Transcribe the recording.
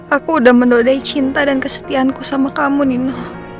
aku udah menodai cinta dan kesetiaanku sama kamu nino